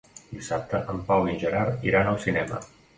Dissabte en Pau i en Gerard iran al cinema.